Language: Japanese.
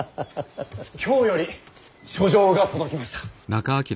京より書状が届きました。